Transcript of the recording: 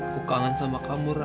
gua kangen sama kamu ra